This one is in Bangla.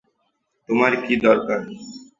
তোমার কি দরকার?